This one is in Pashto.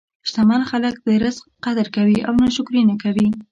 شتمن خلک د رزق قدر کوي او ناشکري نه کوي.